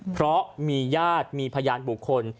เพราะมีญาติมีพยานบุคคล